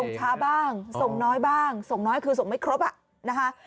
ช้าบ้างส่งน้อยบ้างส่งน้อยคือส่งไม่ครบอ่ะนะคะ